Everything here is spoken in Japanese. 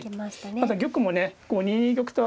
まだ玉もね２二玉と。